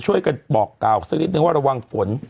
ช่วยกันบอกกล่าวสักนิดนึงว่าระวังฝน